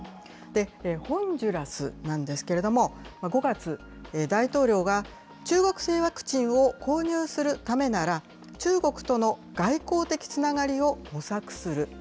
ホンジュラスなんですけれども、５月、大統領が、中国製ワクチンを購入するためなら、中国との外交的つながりを模索する。